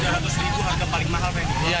tiga ratus ribu harga paling mahal ya